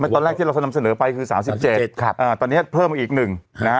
ตอนแรกที่เราสนำเสนอไปคือ๓๗ครับอ่าตอนเนี้ยเพิ่มอีกหนึ่งนะฮะ